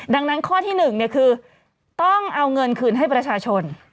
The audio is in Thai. ดังนั้นข้อที่๑คือต้องเอาเงินคืนให้ประชาชน